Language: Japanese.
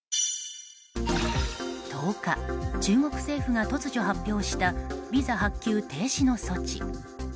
１０日中国政府が突如発表したビザ発給停止の措置。